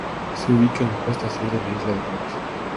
Se ubica en la costa sur de la isla de Flores.